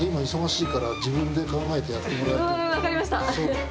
分かりました！